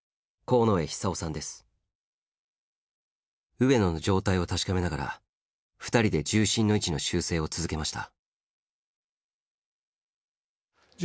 上野の状態を確かめながら２人で重心の位置の修正を続けました。